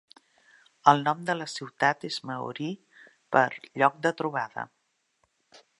El nom de la ciutat és maori per "lloc de trobada".